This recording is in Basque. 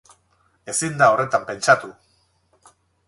Ezin da horretan pentsatu!